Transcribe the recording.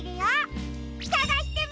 さがしてみてね！